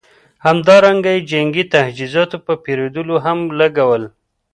همدارنګه یې جنګي تجهیزاتو په پېرودلو هم ولګول.